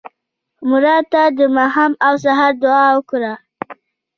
مړه ته د ماښام او سهار دعا وکړه